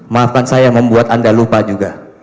maafkan saya membuat anda lupa juga